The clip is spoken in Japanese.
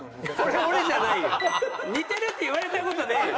似てるって言われた事ねえよ。